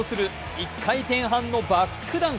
１回転半のバックダンク。